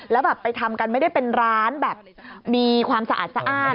แล้วแบบไปทำกันไม่ได้เป็นร้านแบบมีความสะอาดสะอ้าน